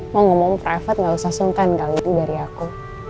mau ngomong private gak usah sungkan kali itu dari aku